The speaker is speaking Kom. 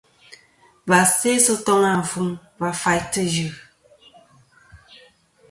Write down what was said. Và sæ sɨ toŋ afuŋ va faytɨ Ɨ yɨ.